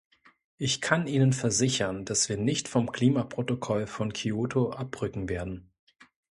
Ich kann Ihnen versichern, dass wir nicht vom Klimaprotokoll von Kyoto abrücken werden.